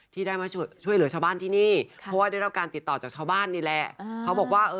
ที่ได้มาช่วยเหลือชาวบ้านที่นี่เพราะว่าได้รับการติดต่อจากชาวบ้านนี่แหละเขาบอกว่า